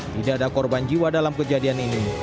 tidak ada korban jiwa dalam kejadian ini